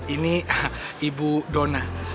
ini ibu dona